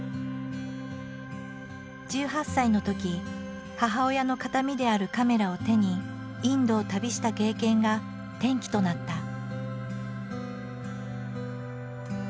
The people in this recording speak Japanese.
１８歳のとき母親の形見であるカメラを手にインドを旅した経験が転機となった。